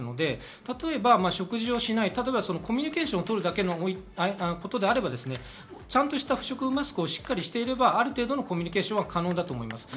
例えば食事をしない、コミュニケーションを取るだけのことであれば、ちゃんとした不織布マスクをしていればある程度のコミュニケーションは可能です。